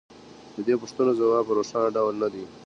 د دې پوښتنو ځواب په روښانه ډول نه دی